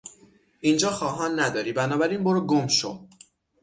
اینجا خواهان نداری بنابراین برو گمشو!